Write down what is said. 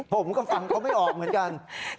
ผมก็ฟังเขาไม่ออกเหมือนกัน